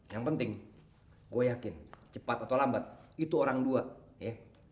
yang penting gue yakin cepat atau lambat itu orang dua ya